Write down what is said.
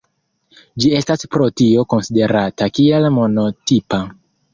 Ĝi estas pro tio konsiderata kiel monotipa.